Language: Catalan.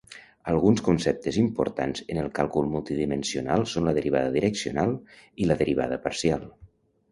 Alguns conceptes importants en el càlcul multidimensional són la derivada direccional i la derivada parcial.